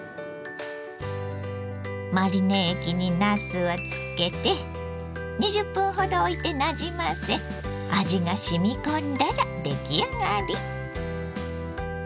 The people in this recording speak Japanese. マリネ液になすをつけて２０分ほどおいてなじませ味がしみこんだら出来上がり。